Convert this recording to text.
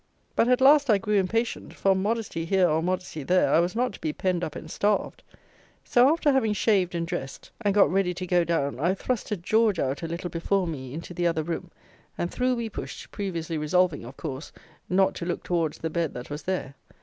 But, at last, I grew impatient; for, modesty here or modesty there, I was not to be penned up and starved: so, after having shaved and dressed and got ready to go down, I thrusted George out a little before me into the other room; and through we pushed, previously resolving, of course, not to look towards the bed that was there.